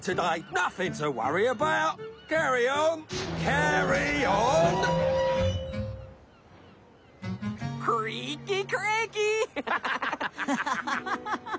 アハハハハ。